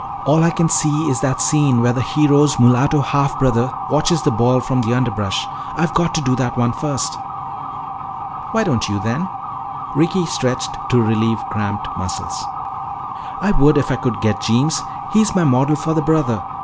All I can see is that scene where the hero's mulatto half brother watches the ball from the underbrush. I've got to do that one first." "Why don't you then?" Ricky stretched to relieve cramped muscles. "I would if I could get Jeems. He's my model for the brother.